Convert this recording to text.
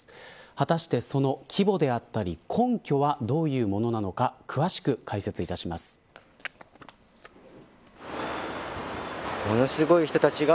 果たしてその規模であったり根拠は、どういうものなのかものすごい人たちが